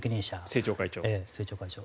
政調会長。